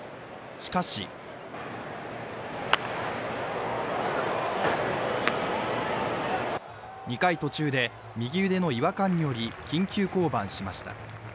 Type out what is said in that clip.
しかし２回途中で右腕の違和感により緊急降板しました。